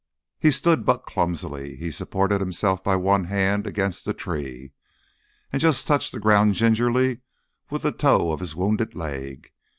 He stood but clumsily. He supported himself by one hand against the tree, and just touched the ground gingerly with the toe of his wounded leg.